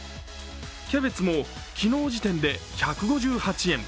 キャベツも昨日時点で１５８円。